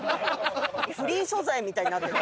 フリー素材みたいになってる。